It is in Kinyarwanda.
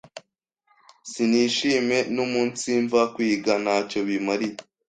sinishime numunsimva kwiga ntacyo bimariye